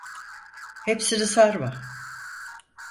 Hepsini sarma.